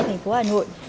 thành phố hà nội